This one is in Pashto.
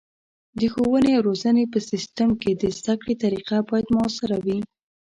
د ښوونې او روزنې په سیستم کې د زده کړې طریقه باید مؤثره وي.